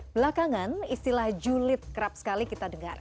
belakangan istilah julid kerap sekali kita dengar